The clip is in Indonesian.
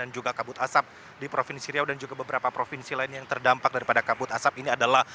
dan juga kabut asap di provinsi riau dan juga beberapa provinsi lain yang terdampak daripada kabut asap ini adalah